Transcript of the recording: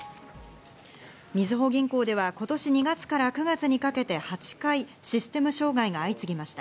みずほ銀行では今年２月から９月にかけて８回、システム障害が相次ぎました。